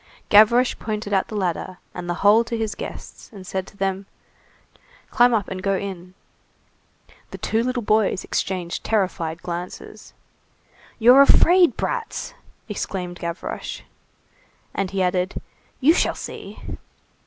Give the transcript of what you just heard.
Gavroche pointed out the ladder and the hole to his guests, and said to them:— "Climb up and go in." The two little boys exchanged terrified glances. "You're afraid, brats!" exclaimed Gavroche. And he added:— "You shall see!"